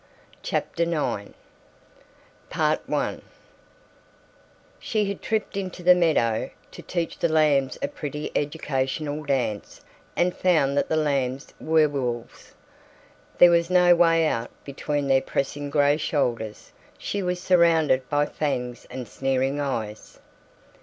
CHAPTER IX I SHE had tripped into the meadow to teach the lambs a pretty educational dance and found that the lambs were wolves. There was no way out between their pressing gray shoulders. She was surrounded by fangs and sneering eyes.